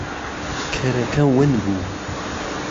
کەرەکە ون بوو.